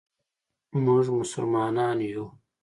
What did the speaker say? مونږ مسلمانان یو.